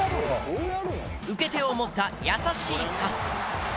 受け手を思った優しいパス。